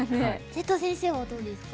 瀬戸先生はどうですか？